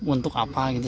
untuk apa gitu